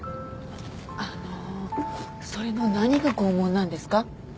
あのそれの何が拷問なんですか？